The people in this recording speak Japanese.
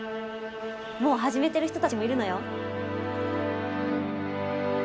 もう始めてる人たちもいるのよ。